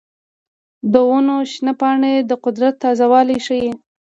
د ونو شنه پاڼې د قدرت تازه والی ښيي.